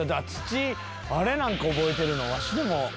あれなんか覚えてるのわしでも忘れてた。